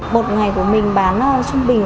một ngày qua tôi đã làm bánh